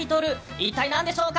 一体何でしょうか。